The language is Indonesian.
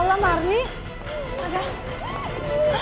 saya demek hembur